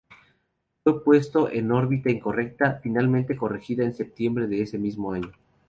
Fue puesto en una órbita incorrecta, finalmente corregida en septiembre de ese mismo año.